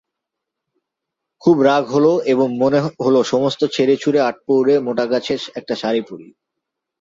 খুব রাগ হল এবং মনে হল সমস্ত ছেড়ে-ছুড়ে আটপৌরে মোটাগোছের একটা শাড়ি পরি।